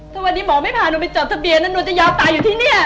ถ้าวันนี้หมอไม่พาหนูไปจดทะเบียนนะหนูจะยอมตายอยู่ที่นี่